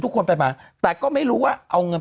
ทุกคนไปมาแต่ก็ไม่รู้ว่าเอาเงิน